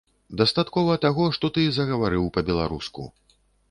Дастаткова таго, што ты загаварыў па-беларуску.